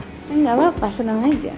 nggak apa apa seneng aja